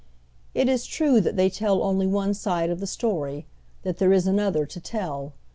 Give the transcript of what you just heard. It is true that they tell only one side of the story ; tliat there is another to tell.